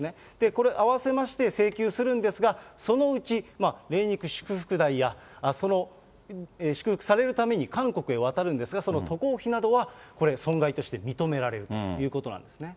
これ、合わせまして請求するんですが、そのうち霊肉祝福代や、その祝福されるために韓国へ渡るんですが、その渡航費などは、これ、損害として認められるということなんですね。